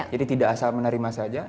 jadi tidak asal menerima saja